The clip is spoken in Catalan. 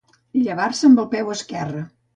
Llevar-se amb el peu esquerre